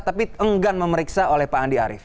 tapi enggan memeriksa oleh pak andi arief